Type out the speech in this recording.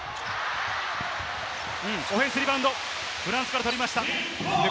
オフェンスリバウンド、フランスから取りました。